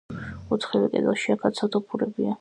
ოთხივე კედელში, აქაც, სათოფურებია.